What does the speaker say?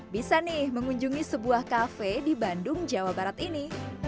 bisa nih mengunjungi sebuah kafe di bandung jawa barat ini